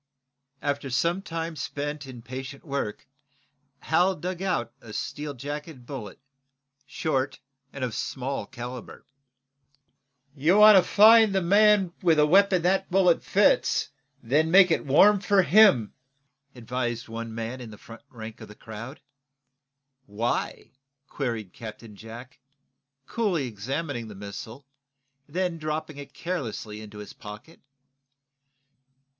After some time spent in patient work Hal dug out a steel jacketed bullet, short and of small calibre. "You want to find the man with a weapon that bullet fits, and then make it warm for him," advised one man in the front rank of the crowd. "Why?" queried Captain Jack, coolly, examining the missile, then dropping it carelessly into his pocket.